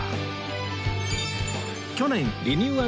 去年リニューアル